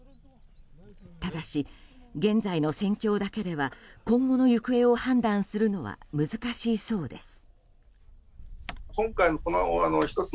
ただし、現在の戦況だけでは今後の行方を判断するのは難しいそうです。